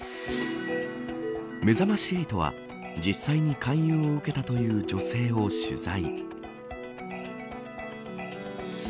めざまし８は実際に勧誘を受けたという女性を取材。